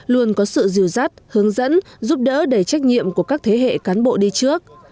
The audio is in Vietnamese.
luôn có sự dìu dắt hướng dẫn giúp đỡ đầy trách nhiệm của các thế hệ cán bộ đi trước